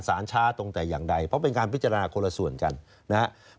ช้าตรงแต่อย่างใดเพราะเป็นการพิจารณาคนละส่วนกันนะครับ